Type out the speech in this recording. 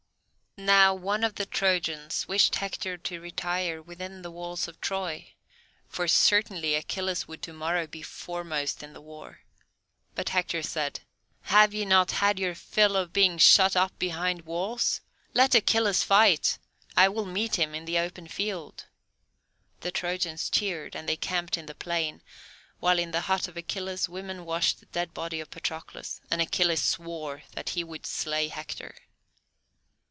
Now one of the Trojans wished Hector to retire within the walls of Troy, for certainly Achilles would to morrow be foremost in the war. But Hector said, "Have ye not had your fill of being shut up behind walls? Let Achilles fight; I will meet him in the open field." The Trojans cheered, and they camped in the plain, while in the hut of Achilles women washed the dead body of Patroclus, and Achilles swore that he would slay Hector.